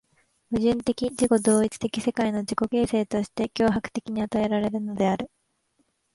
矛盾的自己同一的世界の自己形成として強迫的に与えられるのである。